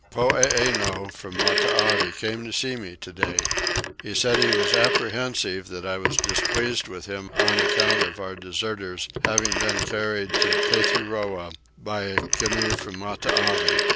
Poeeno, from Matavai, came to see me today: he said he was apprehensive that I was displeased with him on account of our deserters having been carried to Tethuroa by a canoe from Matavai.